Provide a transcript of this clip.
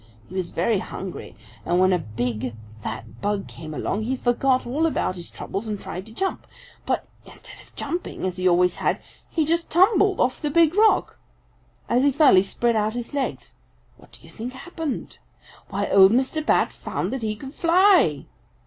He was very hungry, and when a big, fat bug came along, he forgot all about his troubles and tried to jump. But instead of jumping as he always had, he just tumbled off the big rock. As he fell he spread out his legs. What do you think happened? Why, old Mr. Bat found that he could fly!